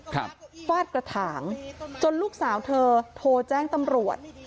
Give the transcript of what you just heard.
ฟาดกระถางจนลูกสาวเธอโทรแจ้งตำรวจ